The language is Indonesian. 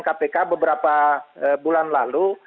kpk beberapa bulan lalu